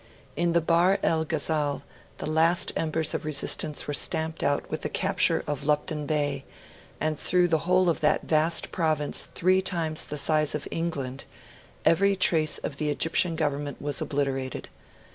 In the Bahr el Ghazal, the last embers of resistance were stamped out with the capture of Lupton Bey, and through the whole of that vast province three times the size of England every trace of the Egyptian Government was obliterated.